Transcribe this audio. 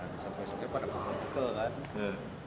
bisa besoknya pada ke empat ke enam kan